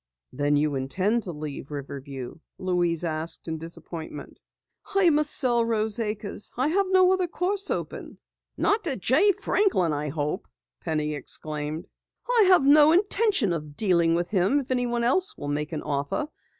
"Then you intend to leave Riverview?" Louise asked in disappointment. "I must sell Rose Acres. I have no other course open." "Not to Jay Franklin, I hope!" Penny exclaimed. "I have no intention of dealing with him if anyone else will make an offer.